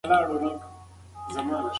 دا معاهده ډیري مادې لري.